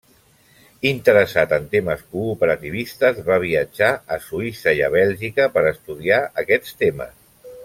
Interessat en temes cooperativistes, va viatjar a Suïssa i a Bèlgica per estudiar aquests temes.